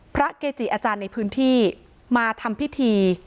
เกจิอาจารย์ในพื้นที่มาทำพิธี